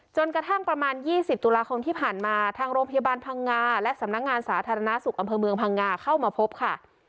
จนกระทั่งประมาณ๒๐ตุลาคมที่ผ่านมาทางโรงพยาบาลพังงาและสำนักงานสาธารณสุขอำเภอเมืองพังงาเข้ามาพบค่ะ